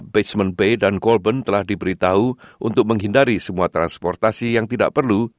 basement bay dan colburn telah diberitahu untuk menghindari semua transportasi yang tidak perlu